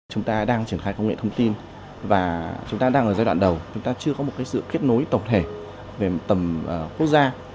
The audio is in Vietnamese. chúng ta đang triển khai công nghệ thông tin và chúng ta đang ở giai đoạn đầu chúng ta chưa có một sự kết nối tổng thể về tầm quốc gia